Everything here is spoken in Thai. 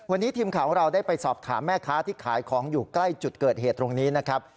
วันนี้ทีมข่าวของเราได้ไปสอบถามแม่ค้าที่ขายของอยู่ใกล้จุดเกิดเหตุตรงนี้นะครับ